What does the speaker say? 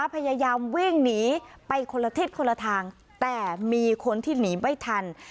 พยายามวิ่งหนีไปคนละทิศคนละทางแต่มีคนที่หนีไม่ทัน